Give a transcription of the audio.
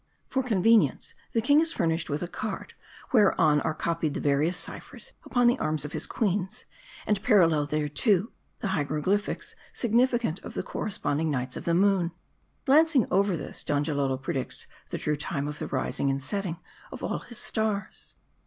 For convenience, the king is furnished with a card, whereon are copied the various ciphers upon the arms of his queens ; and parallel thereto, the hieroglyphics signifi cant of the corresponding Nights of the month. Glancing over this, Donjalolo predicts the true time of the rising and setting of all his stars.